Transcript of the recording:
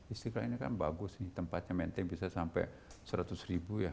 istiqlal ini kan bagus nih tempatnya menteng bisa sampai seratus ribu ya